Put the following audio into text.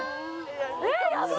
ええやばい！